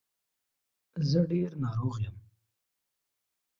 زه ډېر ناروغ یم.